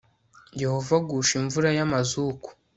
yehova agusha imvura y amazuku